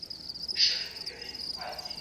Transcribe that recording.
د وارث تندی د درد له امله تریو شو.